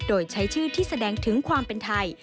โดยใช้ชื่อที่แสดงถึงความเป็นไทย